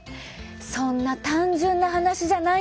そんな単純な話じゃないんです。